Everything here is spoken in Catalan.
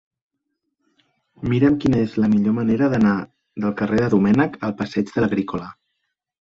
Mira'm quina és la millor manera d'anar del carrer de Domènech al passeig de l'Agrícola.